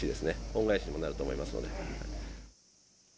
恩返しにもなると思います。